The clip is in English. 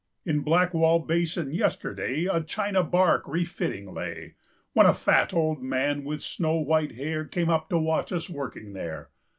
In Blackwall Basin yesterdayA China barque re fitting lay; When a fat old man with snow white hairCame up to watch us working there.